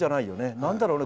何だろうね